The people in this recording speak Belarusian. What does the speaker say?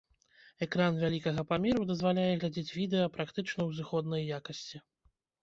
Экран вялікага памеру дазваляе глядзець відэа практычна ў зыходнай якасці.